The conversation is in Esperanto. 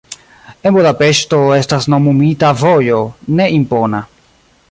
En Budapeŝto estas nomumita vojo, ne impona.